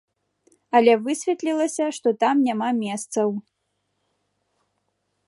Але высветлілася, што там няма месцаў.